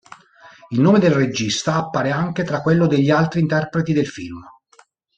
Il nome del regista appare anche tra quello degli altri interpreti del film.